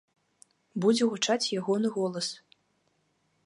Будзе гучаць ягоны голас.